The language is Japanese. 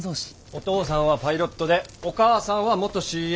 お父さんはパイロットでお母さんは元ＣＡ。